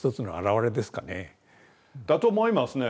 だと思いますね。